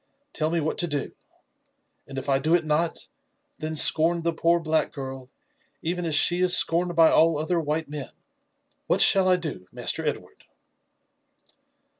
Tell me what to do ; and if I do it not, then scorn the poor black girl, even as she is scorned by all other white men. What shall I do. Master Ed ward?"